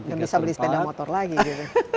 nggak bisa beli sepeda motor lagi gitu